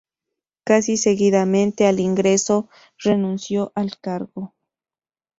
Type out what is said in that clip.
Casi seguidamente al ingreso, renunció al cargo.